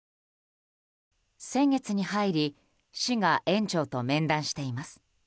先月に入り市が園長と面談しています。